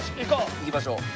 行きましょう。